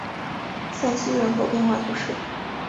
塞西人口变化图示